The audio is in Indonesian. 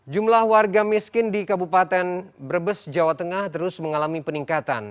jumlah warga miskin di kabupaten brebes jawa tengah terus mengalami peningkatan